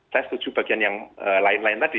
saya setuju bagian yang lain lain tadi